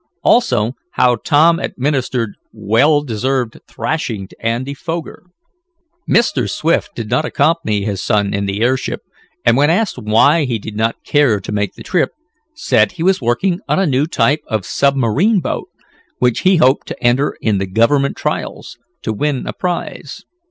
Also how Tom administered well deserved thrashing to Andy Foger. Mr. Swift did not accompany his son in the airship, and when asked why he did not care to make the trip, said he was working on a new type of submarine boat, which he hoped to enter in the government trials, to win a prize.